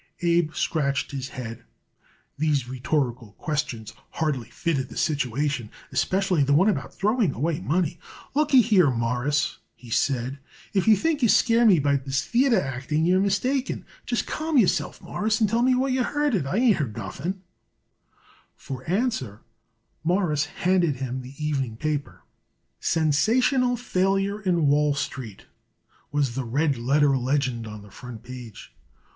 Abe scratched his head. These rhetorical questions hardly fitted the situation, especially the one about throwing away money. "Look y here, Mawruss," he said, "if you think you scare me by this theayter acting you're mistaken. Just calm yourself, Mawruss, and tell me what you heard it. I ain't heard nothing." For answer Morris handed him the evening paper. "Sensational Failure in Wall Street," was the red letter legend on the front page.